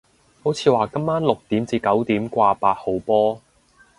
好似話今晚六點至九點掛八號波